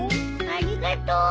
ありがとう。